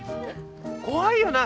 怖いよな